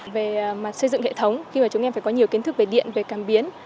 về mặt xây dựng hệ thống khi mà chúng em phải có nhiều kiến thức về điện về cảm biến